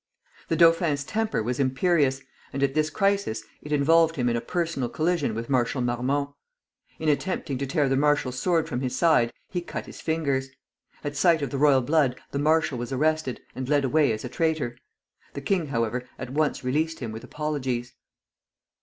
The dauphin's temper was imperious, and at this crisis it involved him in a personal collision with Marshal Marmont. In attempting to tear the marshal's sword from his side, he cut his fingers. At sight of the royal blood the marshal was arrested, and led away as a traitor. The king, however, at once released him, with apologies.